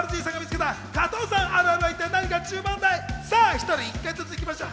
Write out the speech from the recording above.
１人１回ずつ行きましょう。